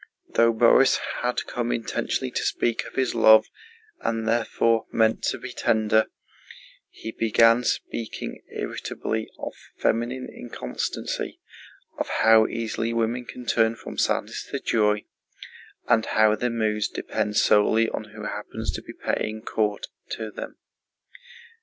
Though Borís had come intentionally to speak of his love and therefore meant to be tender, he began speaking irritably of feminine inconstancy, of how easily women can turn from sadness to joy, and how their moods depend solely on who happens to be paying court to them.